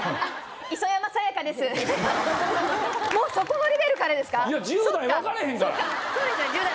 もうそこのレベルからですか？